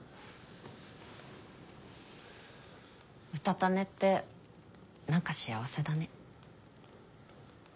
うたた寝って何か幸せだね。